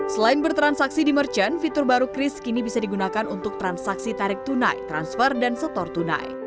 selain bertransaksi di merchant fitur baru kris kini bisa digunakan untuk transaksi tarik tunai transfer dan setor tunai